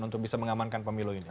untuk bisa mengamankan pemilu ini